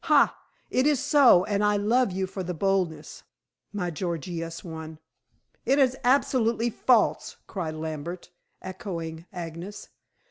Hai! it is so, and I love you for the boldness, my Gorgious one." "It is absolutely false," cried Lambert, echoing Agnes.